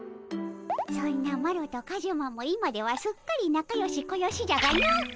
そんなマロとカジュマも今ではすっかりなかよしこよしじゃがの。